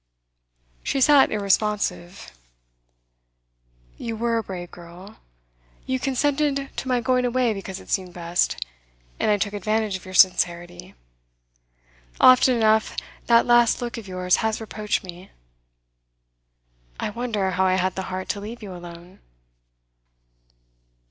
She sat irresponsive. 'You were a brave girl. You consented to my going away because it seemed best, and I took advantage of your sincerity. Often enough that last look of yours has reproached me. I wonder how I had the heart to leave you alone.